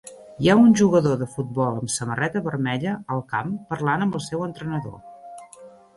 Hi ha un jugador de futbol amb samarreta vermella al camp parlant amb el seu entrenador.